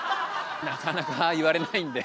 なかなか言われないんで。